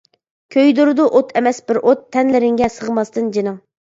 كۆيدۈرىدۇ ئوت ئەمەس بىر ئوت، تەنلىرىڭگە سىغماستىن جېنىڭ.